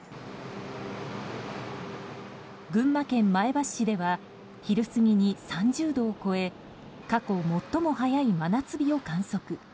群馬県前橋市では昼過ぎに３０度を超え過去最も早い真夏日を観測。